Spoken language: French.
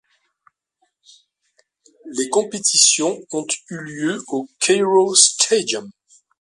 Les compétitions ont eu lieu au Cairo Stadium.